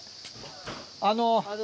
あの。